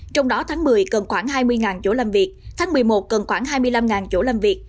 trong đó tháng một mươi cần khoảng hai mươi chỗ làm việc tháng một mươi một cần khoảng hai mươi năm chỗ làm việc